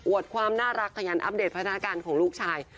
ความน่ารักขยันอัปเดตพัฒนาการของลูกชาย